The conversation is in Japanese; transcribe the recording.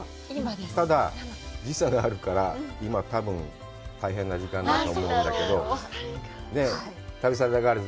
ただ、時差があるから今、多分大変な時間だと思うんだけど。